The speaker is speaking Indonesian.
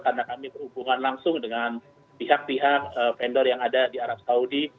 karena kami berhubungan langsung dengan pihak pihak vendor yang ada di arab saudi